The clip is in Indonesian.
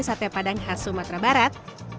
sate padang khas sumatera barat